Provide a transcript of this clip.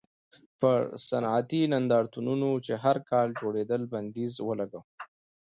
پر صنعتي نندارتونونو چې هر کال جوړېدل بندیز ولګاوه.